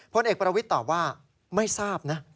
พลเอกประวิทย์ตอบว่าไม่ทราบนะ